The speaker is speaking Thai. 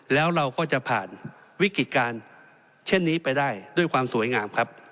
แล้วเราก็จะผ่านวิกฤติการเช่นนี้ไปได้ด้วยความสวยงามครับ